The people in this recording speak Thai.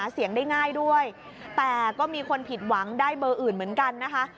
เสียงได้ง่ายด้วยแต่ก็มีคนผิดหวังได้เบอร์อื่นเหมือนกันนะคะ